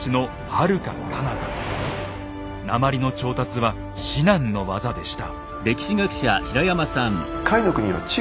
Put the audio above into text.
鉛の調達は至難の業でした。